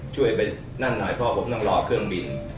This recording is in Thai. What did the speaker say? ช่วยไปนั่นหน่อยเพราะผมนั่งรอเครื่องบิน